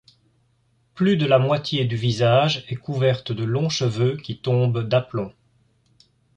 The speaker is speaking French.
Plus de la moitié du visage est couverte de longs cheveux qui tombent d'aplomb.